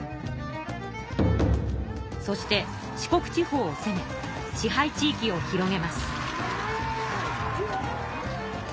そして四国地方をせめ支配地いきを広げます。